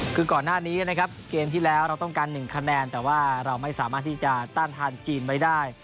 คือก่อนหน้านี้นะครับเกมที่แล้วเราต้องการ๑คะแนนแต่ว่าเราไม่สามารถที่จะต้านทานจีนไว้ได้